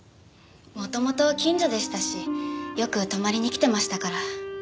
元々近所でしたしよく泊まりに来てましたから。